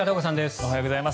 おはようございます。